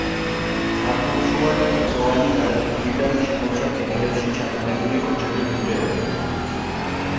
სართულშუა კოჭოვანი გადახურვიდან შემორჩა კედლებში ჩატანებული კოჭების ბუდეები.